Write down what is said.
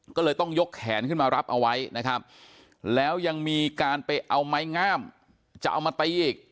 ก็เลยต้องยกแขนขึ้นมารับเอาไว้นะครับแล้วยังมีการไปเอาไม้งามจะเอามาตีอีก